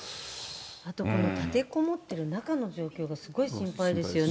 あとこの立てこもってる中の状況がすごい心配ですよね。